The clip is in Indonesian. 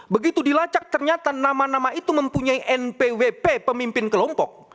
begitu dilacak ternyata nama nama itu mempunyai npwp pemimpin kelompok